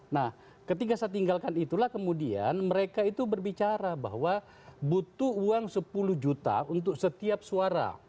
nah ketika saya tinggalkan itulah kemudian mereka itu berbicara bahwa butuh uang sepuluh juta untuk setiap suara